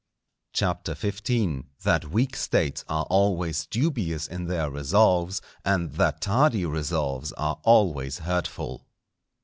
CHAPTER XV.—That weak States are always dubious in their Resolves; and that tardy Resolves are always hurtful.